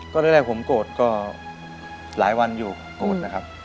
ก็แรกผมโกรธก็หลายวันอยู่โกรธนะครับ